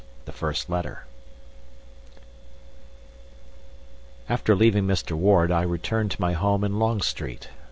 THE FIRST LETTER After leaving Mr. Ward I returned to my home in Long Street.